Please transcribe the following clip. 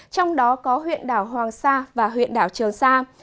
trong đó có huyện đảo hoàng sa và huyện đảo trường sa